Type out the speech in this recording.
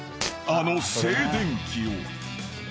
［あの静電気を］